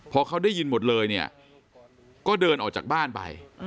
พอเขาได้ยินหมดเลยเนี่ยก็เดินออกจากบ้านไป